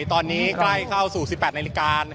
ตอนนี้ใกล้เข้าสู่๑๘นาฬิกา